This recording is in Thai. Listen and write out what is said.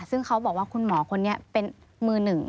ซึ่งเขาบอกว่าคุณหมอคนนี้เป็นมือหนึ่ง